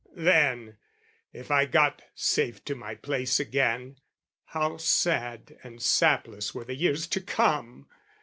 Then, if I got safe to my place again, How sad and sapless were the years to come!